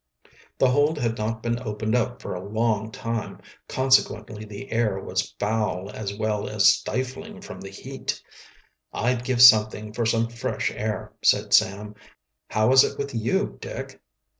The hold had not been opened up for a long time, consequently the air was foul as well as stifling from the heat. "I'd give something for some fresh air," said Sam. "How is it with you, Dick?"